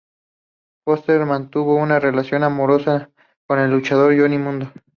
Forster mantuvo una relación amorosa con el luchador Johnny Mundo.